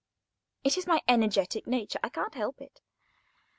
It is my energetic nature. I can't help it.